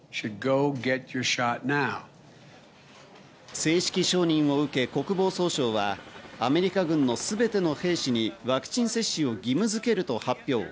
正式承認を受け国防総省はアメリカ軍のすべての兵士にワクチン接種を義務づけると発表。